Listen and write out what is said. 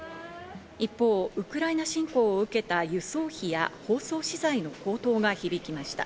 一方、ウクライナ侵攻を受けた輸送費や包装資材の高騰が響きました。